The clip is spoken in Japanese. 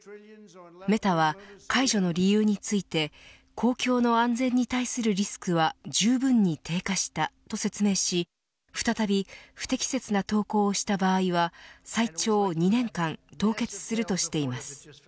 メタは解除の理由について公共の安全に対するリスクはじゅうぶんに低下したと説明し再び不適切な投稿をした場合は最長２年間凍結するとしています。